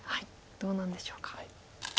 どうなんでしょうか。